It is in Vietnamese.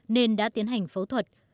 nên đã tiến hành phẫu thuật